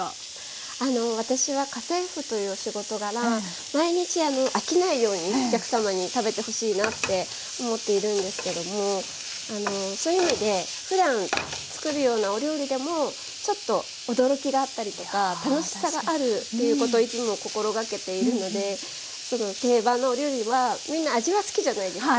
私は家政婦というお仕事柄毎日飽きないようにお客様に食べてほしいなって思っているんですけどもそういう意味でふだん作るようなお料理でもちょっと驚きがあったりとか楽しさがあるっていうことをいつも心がけているのでその定番のお料理はみんな味は好きじゃないですか。